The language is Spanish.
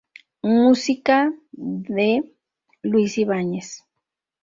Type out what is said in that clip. Música D. Luis Ibáñez.